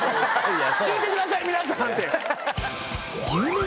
「聞いてください皆さん」って。